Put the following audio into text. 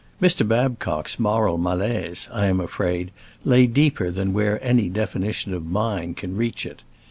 Mr. Babcock's moral malaise, I am afraid, lay deeper than where any definition of mine can reach it.